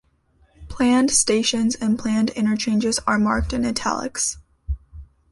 Planned stations and planned interchanges are marked in "italics".